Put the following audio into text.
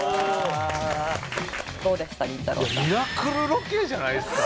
ミラクルロケじゃないですか。